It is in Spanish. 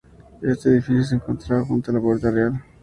Este edificio se encontraba junto a la Puerta Real.